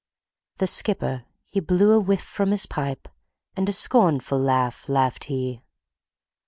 The skipper, he blew a whiff from his pipe, And a scornful laugh laughed he.